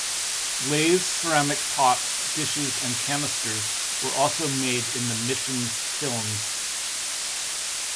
Glazed ceramic pots, dishes, and canisters were also made in the Mission's kilns.